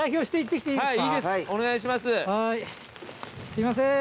すいません。